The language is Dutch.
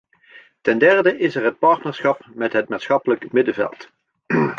Ten derde is er het partnerschap met het maatschappelijk middenveld.